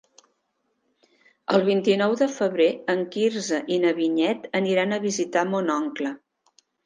El vint-i-nou de febrer en Quirze i na Vinyet aniran a visitar mon oncle.